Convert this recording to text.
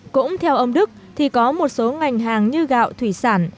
cũng theo ông đức thì có một số ngành hàng như gạo thủy sản